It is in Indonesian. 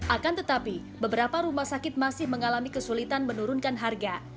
akan tetapi beberapa rumah sakit masih mengalami kesulitan menurunkan harga